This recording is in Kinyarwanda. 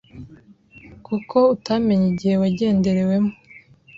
kuko utamenye igihe wagenderewemo.